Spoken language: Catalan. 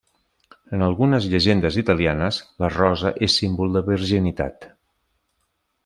En algunes llegendes italianes, la rosa és símbol de virginitat.